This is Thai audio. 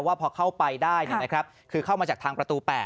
ว่าพอเข้าไปได้คือเข้ามาจากทางประตู๘